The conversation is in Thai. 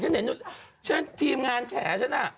ฉันเห็นทีมงานแฉะฉัน